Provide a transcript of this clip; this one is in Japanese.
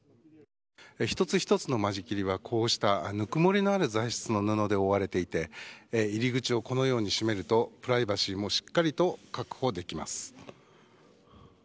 １つ１つの間仕切りはこうした、ぬくもりのある材質の布で覆われていて入り口をこのように閉めるとプライバシーもしっかりと確保できます。